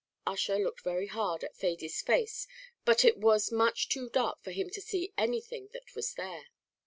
Ussher looked very hard at Thady's face, but it was much too dark for him to see anything that was there.